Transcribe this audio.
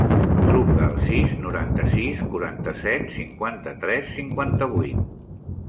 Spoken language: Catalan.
Truca al sis, noranta-sis, quaranta-set, cinquanta-tres, cinquanta-vuit.